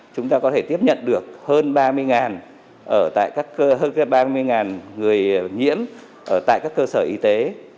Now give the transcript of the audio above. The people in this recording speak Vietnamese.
chúng ta có thể tiếp nhận được hơn ba mươi người nhiễm ở tại các cơ sở y tế